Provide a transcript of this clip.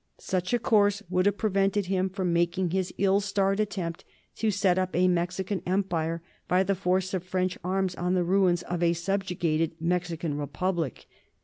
Such a course would have prevented him from making his ill starred attempt to set up a Mexican Empire by the force of French arms on the ruins of a subjugated Mexican Republic.